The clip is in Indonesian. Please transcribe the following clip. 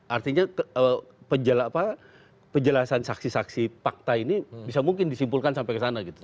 artinya penjelasan saksi saksi fakta ini bisa mungkin disimpulkan sampai ke sana gitu